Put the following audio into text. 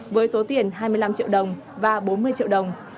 với số tiền hai mươi năm triệu đồng và bốn mươi triệu đồng